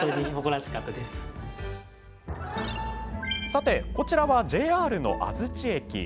さて、こちらはＪＲの安土駅。